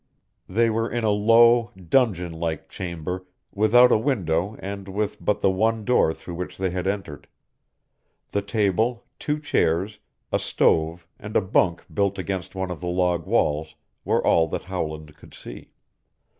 They were in a low, dungeon like chamber, without a window and with but the one door through which they had entered. The table, two chairs, a stove and a bunk built against one of the log walls were all that Howland could see.